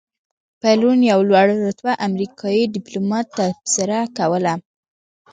پرون یو لوړ رتبه امریکایي دیپلومات تبصره کوله.